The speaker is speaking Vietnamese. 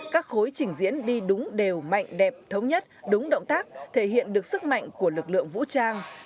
các khối trình diễn đi đúng đều mạnh đẹp thống nhất đúng động tác thể hiện được sức mạnh của lực lượng vũ trang